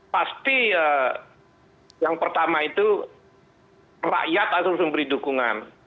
pasti yang pertama itu rakyat harus memberi dukungan